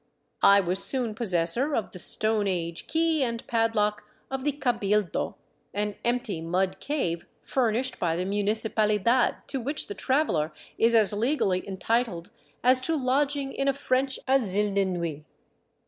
I was soon possessor of the Stone age key and pad lock of the cabildo, an empty mud cave furnished by the municipal idad, to which the traveler is as legally entitled as to lodging in a French asile de nuit.